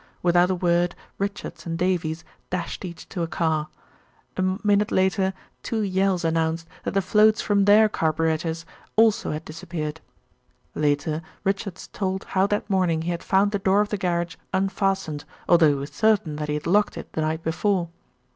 Without a word Richards and Davies dashed each to a car. A minute later two yells announced that the floats from their carburettors also had disappeared. Later Richards told how that morning he had found the door of the garage unfastened, although he was certain that he had locked it the night before.